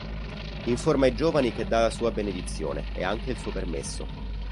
Informa i giovani che dà la sua benedizione... e anche il suo permesso.